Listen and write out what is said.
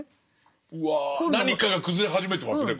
うわ何かが崩れ始めてますね